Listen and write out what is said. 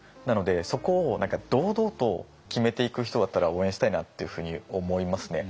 そこを堂々と決めていく人だったら応援したいなっていうふうに思いますね。